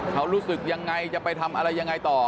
เขารู้สึกยังไงจะไปทำอะไรยังไงต่อ